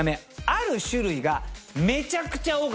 ある種類？